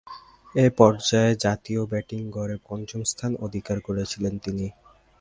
এ পর্যায়ে জাতীয় ব্যাটিং গড়ে পঞ্চম স্থান অধিকার করেছিলেন তিনি।